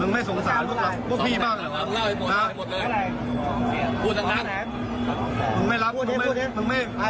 แล้วพวกพี่อาจฉีดไปสามแสนสี่แสนทำไมไม่กลับใจ